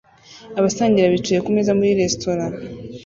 Abasangira bicaye kumeza muri resitora